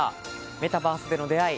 メタバースでの出会い。